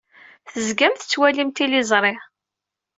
Tezgam tettwalim tiliẓri.